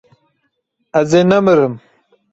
Ez ê nemirim.